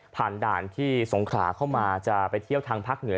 ด่านที่สงขราเข้ามาจะไปเที่ยวทางภาคเหนือ